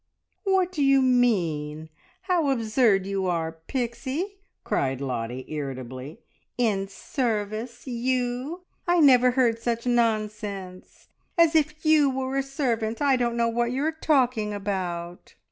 "What do you mean? How absurd you are, Pixie!" cried Lottie irritably. "In service you! I never heard such nonsense. As if you were a servant! I don't know what you are talking about!"